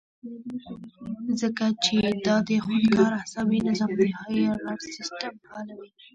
ځکه چې دا د خودکار اعصابي نظام د هائي الرټ سسټم فعالوي